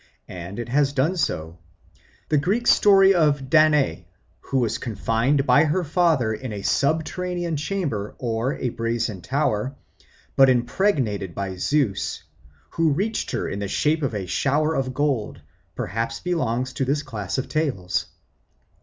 And it has done so. The old Greek story of Danae, who was confined by her father in a subterranean chamber or a brazen tower, but impregnated by Zeus, who reached her in the shape of a shower of gold, perhaps belongs to this class of tales.